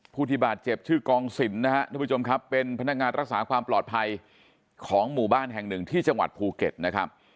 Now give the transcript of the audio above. ผู้ที่บาดเจ็บชื่อกองสินนะครับทุกผู้ชมครับเป็นพนักงานรักษาความปลอดภัยของหมู่บ้านแห่งหนึ่งที่จังหวัดภูเก็ตนะครับ